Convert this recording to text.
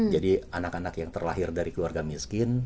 jadi anak anak yang terlahir dari keluarga miskin